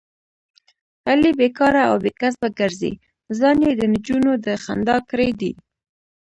علي بیکاره او بې کسبه ګرځي، ځان یې دنجونو د خندا کړی دی.